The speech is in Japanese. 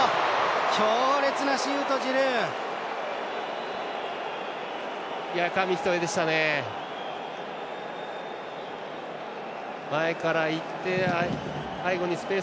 強烈なシュート、ジルー！